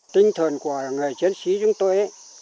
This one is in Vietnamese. tinh thần của người chiến sĩ chúng tôi